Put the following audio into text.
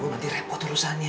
nanti repot urusannya